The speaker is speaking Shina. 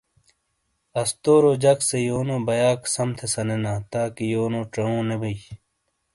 استورو جک سے یونو بیاک سم تھے سنینا تاکہ یونو چاؤوں نے بوت۔